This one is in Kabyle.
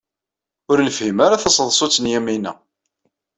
Ur nefhim ara taseḍsut n Yamina.